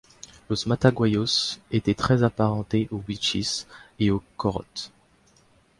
Los Mataguayos étaient très apparentés aux Wichís et aux Chorotes.